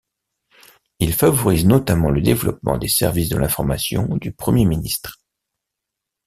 Il favorise notamment le développement des services de l'information du Premier ministre.